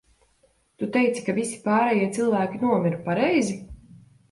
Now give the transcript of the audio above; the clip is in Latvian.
Tu teici, ka visi pārējie cilvēki nomira, pareizi?